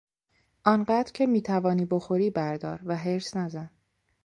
آنقدر که میتوانی بخوری بردار و حرص نزن!